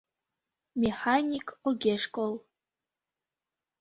Механик огеш кол.